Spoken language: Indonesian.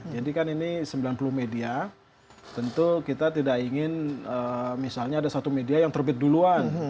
jadi kan ini sembilan puluh media tentu kita tidak ingin misalnya ada satu media yang terbit duluan